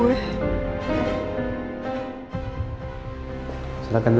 semoga kesaksian dari saya bisa hukuman kita